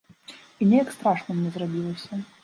І неяк страшна мне зрабілася.